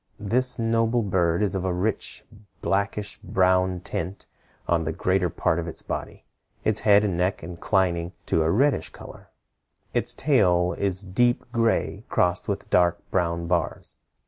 This noble bird is of a rich blackish brown tint on the greater part of its body, its head and neck inclining to a reddish color. Its tail is deep gray crossed with dark brown bars.